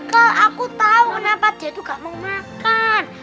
kel aku tau kenapa dia tuh gak mau makan